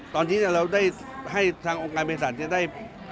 ตอนนี้เราได้ให้ทางองค์การเพศัตริย์ได้